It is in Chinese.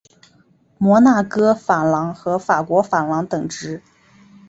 摩纳哥法郎和法国法郎等值。